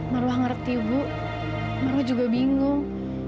marwah ngerti bu marwah juga bingung